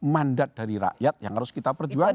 mandat dari rakyat yang harus kita perjuangkan